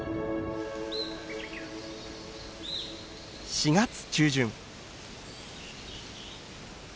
４月中旬。